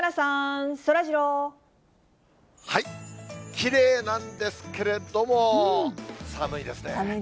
きれいなんですけれども、寒いですね。